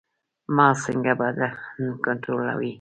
مغز څنګه بدن کنټرولوي؟